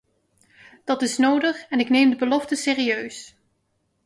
Dat is nodig, en ik neem de beloften serieus.